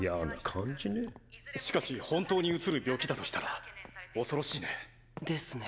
しかし本当にうつる病気だとしたら恐ろしいね。ですね。